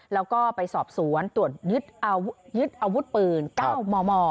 แล้วก็ไปสอบสวนตรวจยึดอาวุธปืน๙มม